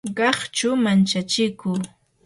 qaqchu manchachiku